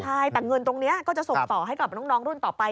ใช่แต่เงินตรงนี้ก็จะส่งต่อให้กับน้องรุ่นต่อไป